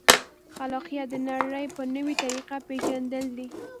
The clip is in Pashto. خلاقیت د نړۍ په نوې طریقه پېژندل دي.